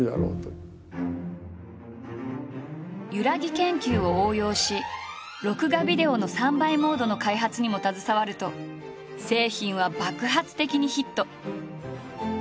ゆらぎ研究を応用し録画ビデオの３倍モードの開発にも携わると製品は爆発的にヒット。